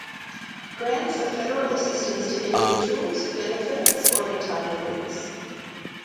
Grants are federal assistance to individuals, benefits or entitlements.